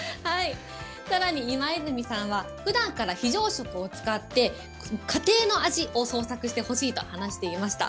さらに今泉さんは、ふだんから非常食を使って、家庭の味を創作してほしいと話していました。